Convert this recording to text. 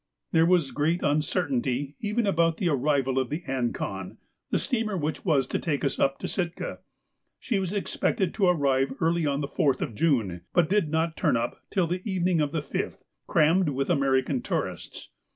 There was great uncertainty even about the arrival of the 'Ancon,' the steamer which was to take us up to Sitka; she was expected to arrive early on the 4th of June, but did not turn up till the evening of the 5th, crammed with American tourists.